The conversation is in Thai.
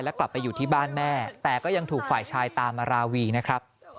กลับไปอยู่ที่บ้านแม่แต่ก็ยังถูกฝ่ายชายตามมาราวีนะครับ